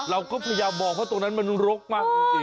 เราก็พยายามบอกว่าตรงนั้นมันโรคมากจริง